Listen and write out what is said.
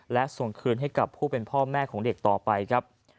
และส่งคืนให้กับผู้เป็นพ่อแม่ของเด็กต่อไปครับ